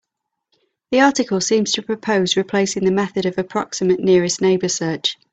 The article seems to propose replacing the method of approximate nearest neighbor search.